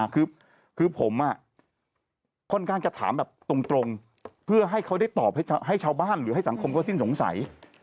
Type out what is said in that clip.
คือผมค่อนข้างจะถามแบบตรงเพื่อให้เขาได้ตอบให้ชาวบ้านหรือให้สังคมเขาสิ้นสงสัย